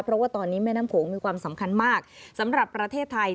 เพราะว่าตอนนี้แม่น้ำโขงมีความสำคัญมากสำหรับประเทศไทย